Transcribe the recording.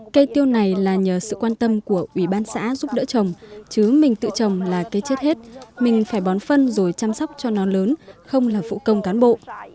cây tiêu này là nhờ sự quan tâm của ủy ban xã giúp đỡ chồng chứ mình tự trồng là cây chết hết mình phải bón phân rồi chăm sóc cho nó lớn không là phụ công cán bộ